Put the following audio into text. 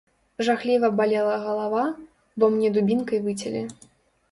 Жахліва балела галава, бо мне дубінкай выцялі.